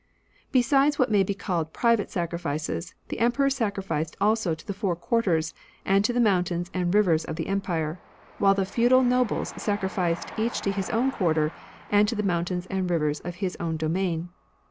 Besides what may be called private sacrifices, the Emperor sacrificed also to the four quarters, and to the mountains and rivers of the empire ; while the feudal nobles sacrificed each to his own quarter, and to the mountains and rivers of his own domain.